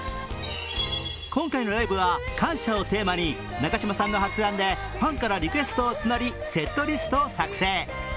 今回のライブは感謝をテーマに中島さんの発案でファンからリクエストを募り、セットリストを作成。